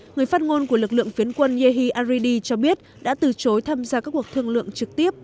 người phát ngôn của lực lượng phiến quân yehi aridi cho biết đã từ chối tham gia các cuộc thương lượng trực tiếp